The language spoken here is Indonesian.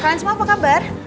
kalian semua apa kabar